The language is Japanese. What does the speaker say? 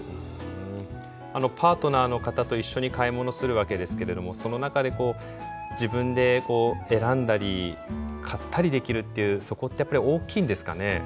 あのパートナーの方と一緒に買い物するわけですけれどもその中でこう自分で選んだり買ったりできるっていうそこってやっぱり大きいんですかね？